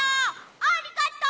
ありがとう！